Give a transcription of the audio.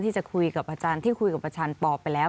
ที่จะคุยกับอาจารย์ที่คุยกับอาจารย์ปอไปแล้ว